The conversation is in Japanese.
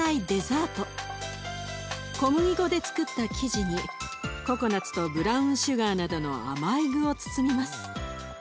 小麦粉でつくった生地にココナツとブラウンシュガーなどの甘い具を包みます。